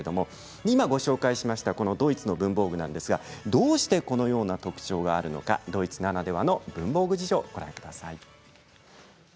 今ご紹介したドイツの文房具どうしてこのような特徴があるのかドイツならではの文房具事情をご覧ください。